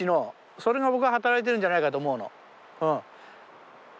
それが僕は働いてるんじゃないかと思うの。